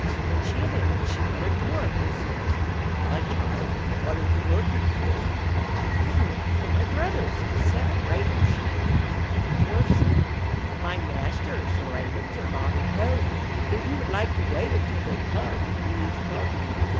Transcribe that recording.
When she had entered, she met a Dwarf, who said: 'My child, what are you looking for?' 'I am looking for my brothers, the Seven Ravens,' she answered. The Dwarf said: 'My masters, the Ravens, are not at home; but if you like to wait until they come, please to walk in.'